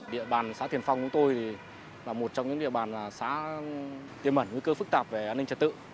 địa bàn xã tiền phong của tôi thì là một trong những địa bàn xã tiêm mẩn nguy cơ phức tạp về an ninh trật tự